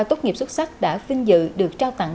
tốt nghiệp xuất sắc đã vinh dự được trao tặng